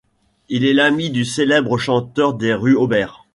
Il est l'ami du célèbre chanteur des rues Aubert.